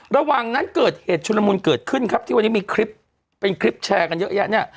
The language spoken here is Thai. ระหว่างนั้นเกิดเหตุชุลมุนเกิดขึ้นครับที่วันนี้มีคลิปเป็นคลิปแชร์กันเยอะแยะเนี่ย